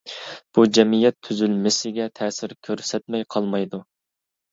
بۇ جەمئىيەت تۈزۈلمىسىگە تەسىر كۆرسەتمەي قالمايدۇ.